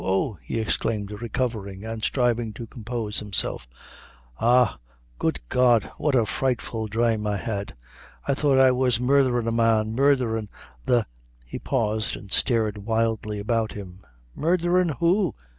Oh," he exclaimed, recovering, and striving to compose himself, "ha Good God! what a frightful drame I had. I thought I was murdherin' a man; murdherin' the" he paused, and stared wildly about him. "Murdherin' who?"